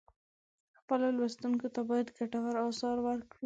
خپلو لوستونکو ته باید ګټور آثار ورکړو.